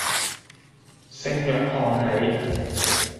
聖約翰里